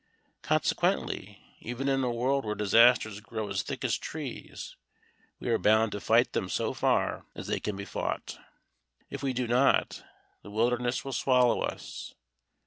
Consequently, even in a world where disasters grow as thick as trees, we are bound to fight them so far as they can be fought. If we do not, the wilderness will swallow us.